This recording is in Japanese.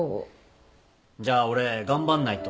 じゃあ俺頑張んないと。